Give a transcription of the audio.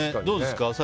どうですか？